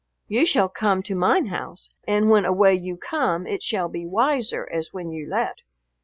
You shall come to mine house and when away you come it shall be wiser as when you left."